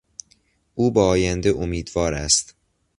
او به آینده امیدوار است.